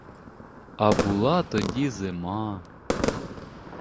А була тоді зима.